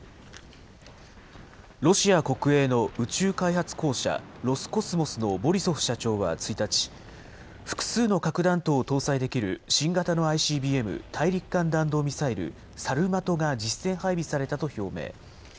ロシア国営の宇宙開発公社、ロスコスモスのボリソフ社長は１日、複数の核弾頭を搭載できる新型のＩＣＢＭ・大陸間弾道ミサイル、サルマトが実戦配備されたと表明。